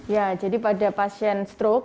ya jadi pada pasien stroke